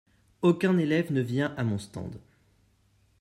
aucun élève ne vient à mon stand.